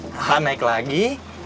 hah naik lagi